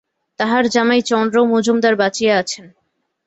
তাহার জামাই চন্দ্র মজুমদার বাঁচিয়া আছেন।